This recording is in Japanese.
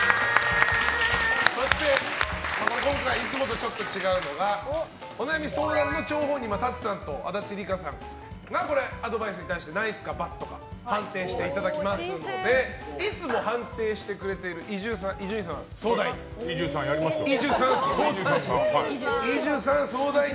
そして、今回いつもとちょっと違うのがお悩み相談の張本人は足立梨花さんとＴＡＴＳＵさんのお二人なのでアドバイスに対してナイスかバッドか判定していただきますのでいつも判定してくれている伊集院さんは相談員。